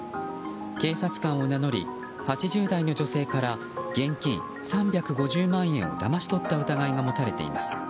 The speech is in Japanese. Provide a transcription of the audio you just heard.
警察官を名乗り８０代の女性から現金３５０万円をだまし取った疑いが持たれています。